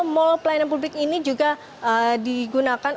mall pelayanan publik ini juga digunakan